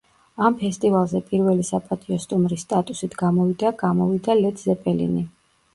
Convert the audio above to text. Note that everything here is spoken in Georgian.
ამ ფესტივალზე პირველი საპატიო სტუმრის სტატუსით გამოვიდა გამოვიდა ლედ ზეპელინი.